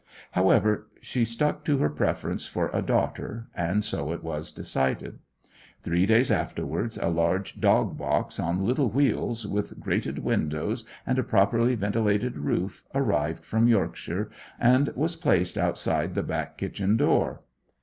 However, she stuck to her preference for a daughter, and so it was decided. Three days afterwards a large dog box on little wheels, with grated windows and a properly ventilated roof, arrived from Yorkshire, and was placed outside the back kitchen door.